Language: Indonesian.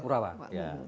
pandawa v ya